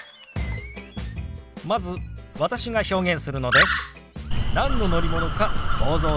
まず私が表現するので何の乗り物か想像してください。